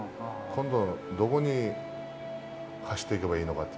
今度、どこに走っていけばい